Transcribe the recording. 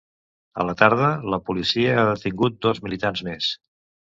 A la tarda, la policia ha detingut dos militants més.